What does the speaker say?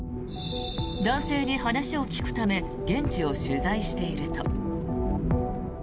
男性に話を聞くため現地を取材していると。